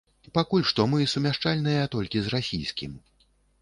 Пакуль што мы сумяшчальныя толькі з расійскім.